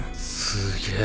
すげえ。